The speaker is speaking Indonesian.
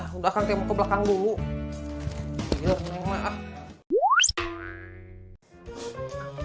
jangan ke tempat yang ella juga percaya tahu aja